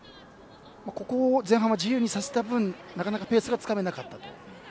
ここで前半自由にさせた分なかなかペースがつかめなかったと。